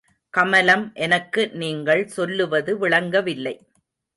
கமலம் எனக்கு நீங்கள் சொல்லுவது விளங்கவில்லை.